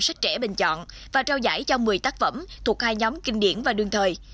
sách trẻ bình chọn và trao giải cho một mươi tác phẩm thuộc hai nhóm kinh điển và đương thời